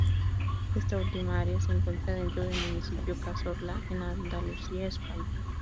Esta última área se encuentra dentro del municipio Cazorla, en Andalucía, España.